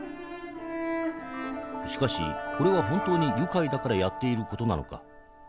しかしこれは本当に愉快だからやっている事なのか？